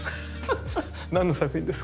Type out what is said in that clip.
何の作品ですか？